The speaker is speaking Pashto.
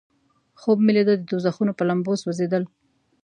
خوب مې لیده د دوزخونو په لمبو سوځیدل.